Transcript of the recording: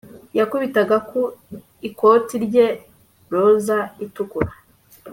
yakubitaga ku ikoti rye roza itukura